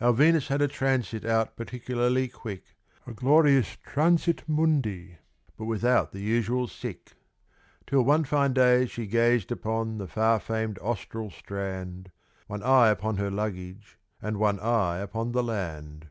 Our Venus had a transit out particularly quick, A glorious transit mundi, but without the usual sic (k); Till one fine day she gazed upon the far famed, Austral strand. One eye upon her luggage, and one eye upon the land.